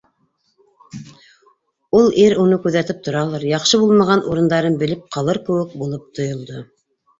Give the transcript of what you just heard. Ул ир уны күҙәтеп торалыр, яҡшы булмаған урындарын белеп ҡалыр кеүек булып тойолдо.